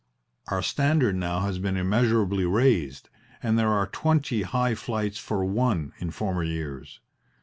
Our standard now has been immeasurably raised, and there are twenty high flights for one in former years.